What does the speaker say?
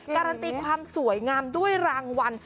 การันตีความสวยงามด้วยรางวัล